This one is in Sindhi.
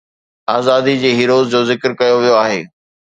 آزادي جي هيروز جو ذڪر ڪيو ويو آهي